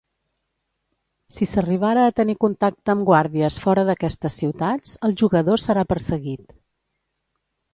Si s'arribara a tenir contacte amb guàrdies fora d'aquestes ciutats, el jugador serà perseguit.